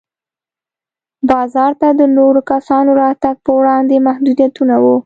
بازار ته د نورو کسانو راتګ پر وړاندې محدودیتونه وو.